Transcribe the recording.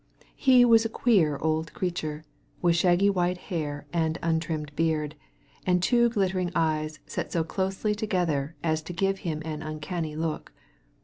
He was a queer old creature, with shaggy white hair and untrimmed beard, and two glittering eyes set so closely together as to give him an uncanny look.